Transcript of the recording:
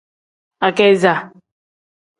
Ageeza.